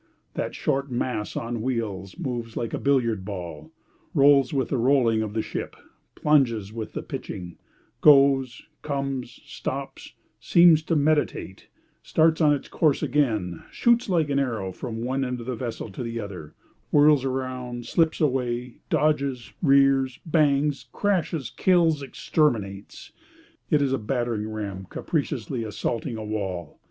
That short mass on wheels moves like a billiard ball, rolls with the rolling of the ship, plunges with the pitching, goes, comes, stops, seems to meditate, starts on its course again, shoots like an arrow, from one end of the vessel to the other, whirls around, slips away, dodges, rears, bangs, crashes, kills, exterminates. It is a battering ram capriciously assaulting a wall.